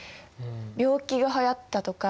病気がはやったとか。